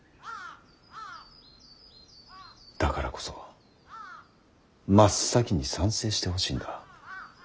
だからこそ真っ先に賛成してほしいんだ。